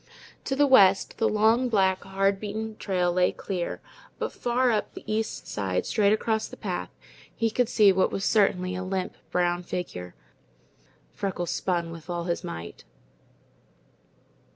To the west, the long, black, hard beaten trail lay clear; but far up the east side, straight across the path, he could see what was certainly a limp, brown figure. Freckles spun with all his might.